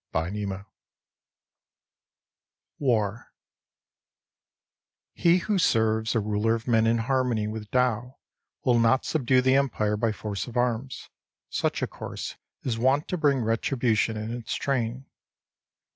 40 WAR HE who serves a ruler of men in harmony with Tao will not subdue the Empire by force of arms. Such a course is wont to bring retribution in its train.